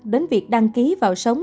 đến việc đăng ký vào sống